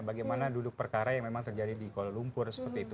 bagaimana duduk perkara yang memang terjadi di kuala lumpur